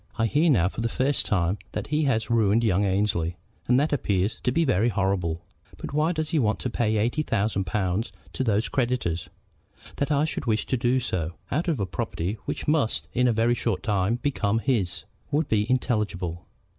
I hear now for the first time that he has ruined young Annesley, and that does appear to be very horrible. But why does he want to pay eighty thousand pounds to these creditors? That I should wish to do so, out of a property which must in a very short time become his, would be intelligible.